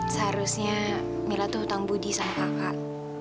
seharusnya mila tuh hutang budi sama kakak